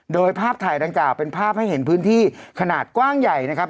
โดยภาพถ่ายดังกล่าวเป็นภาพให้เห็นพื้นที่ขนาดกว้างใหญ่นะครับ